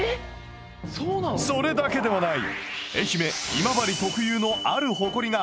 それだけではない！